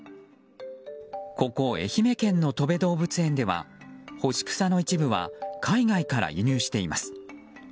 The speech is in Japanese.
ここ、愛媛県のとべ動物園では干し草の一部は海外から輸入しています。